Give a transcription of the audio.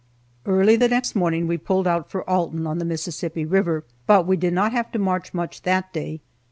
Early the next morning we pulled out for Alton, on the Mississippi River. But we did not have to march much that day.